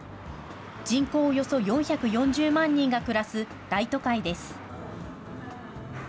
人口およそ４４０万人が暮らす大都会です。